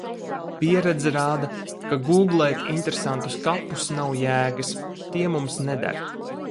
Pieredze rāda, ka gūglēt interesantus kapus nav jēgas. Tie mums neder.